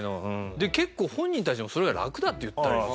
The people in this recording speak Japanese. で結構本人たちもそれが楽だって言ったり。